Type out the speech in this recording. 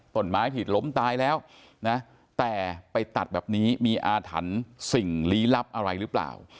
ต้นไม้ผิดล้มตายแล้วนะแต่ไปตัดแบบนี้มีอาถรรพ์สิ่งลี้ลับอะไรหรือเปล่า